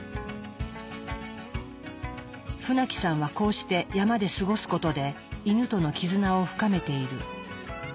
船木さんはこうして山で過ごすことでイヌとの絆を深めている。